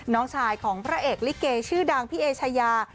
น้องชายของพระเอกลิเกชื่อดังพี่เอชายา